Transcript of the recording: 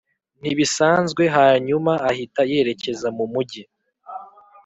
ntibisanzwe hanyuma ahita yerekeza mu mujyi